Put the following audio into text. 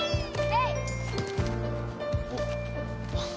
えっ？